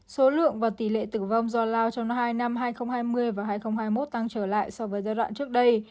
số lượng và tỷ lệ tử vong do lao trong hai năm hai nghìn hai mươi và hai nghìn hai mươi một tăng trở lại so với giai đoạn trước đây